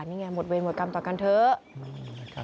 นี่ไงหมดเวรหมดกรรมต่อกันเถอะ